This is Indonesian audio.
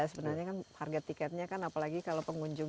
sebenarnya kan harga tiketnya kan apalagi kalau pengunjung